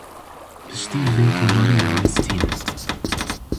Piştî vê tomarê rawestîne.